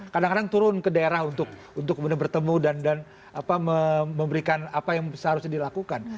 kadang kadang turun ke daerah untuk bertemu dan memberikan apa yang seharusnya dilakukan